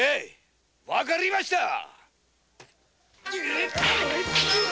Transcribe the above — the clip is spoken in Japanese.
わかりました